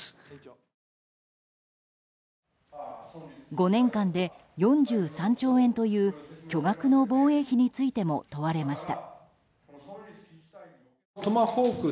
５年間で４３兆円という巨額の防衛費についても問われました。